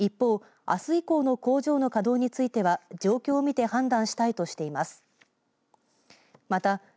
一方、あす以降の工場の稼働については状況を見て判断したいとしています。